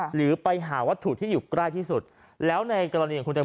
หรือไปหาวัตถุที่อยู่ใกล้ที่สุดแล้วในกรณีของคุณตัง